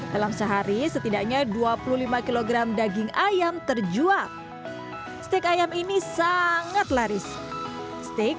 dalam sehari setidaknya dua puluh lima kg daging ayam terjual steak ayam ini sangat laris steak